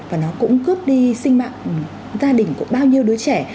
và nó cũng cướp đi sinh mạng gia đình của bao nhiêu đứa trẻ